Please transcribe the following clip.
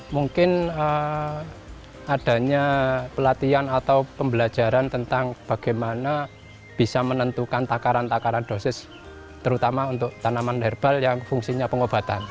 mungkin adanya pelatihan atau pembelajaran tentang bagaimana bisa menentukan takaran takaran dosis terutama untuk tanaman herbal yang fungsinya pengobatan